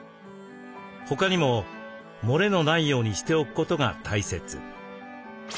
他にも漏れのないようにしておくことが大切。